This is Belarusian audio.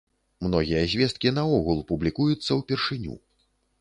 Многія звесткі наогул публікуюцца ўпершыню.